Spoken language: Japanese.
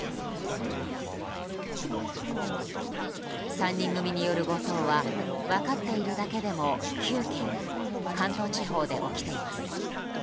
３人組による強盗は分かっているだけでも９件関東地方で起きています。